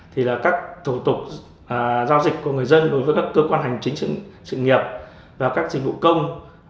thì là các thủ tục giao dịch của người dân đối với các cơ quan hành chính sự nghiệp và các dịch vụ công